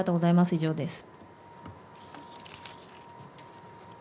以上です。